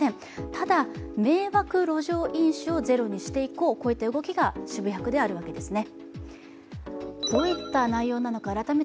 ただ、迷惑路上飲酒をゼロにしていこう、こういった動きが渋谷区であるわけですね。